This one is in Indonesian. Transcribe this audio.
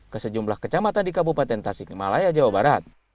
ke sejumlah kecamatan di kabupaten tasik malaya jawa barat